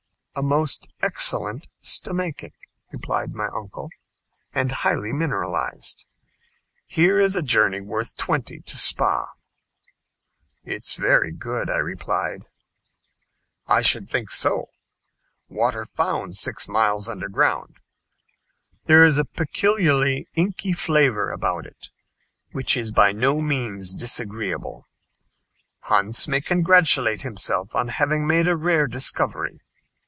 "A most excellent stomachic," replied my uncle, "and highly mineralized. Here is a journey worth twenty to Spa." "It's very good," I replied. "I should think so. Water found six miles under ground. There is a peculiarly inky flavor about it, which is by no means disagreeable. Hans may congratulate himself on having made a rare discovery.